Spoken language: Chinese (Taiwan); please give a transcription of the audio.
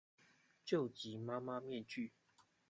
救急媽媽面具